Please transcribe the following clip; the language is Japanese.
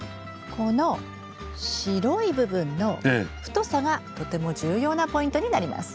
この白い部分の太さがとても重要なポイントになります。